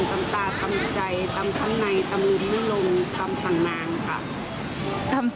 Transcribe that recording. ตำตาตำใจตำช้ำในตำลูกลิ้นลมตำสังนางค่ะ